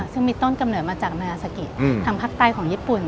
ซึ่งมีต้นกำเนิดมาจากนาซากิทางภาคใต้ของญี่ปุ่น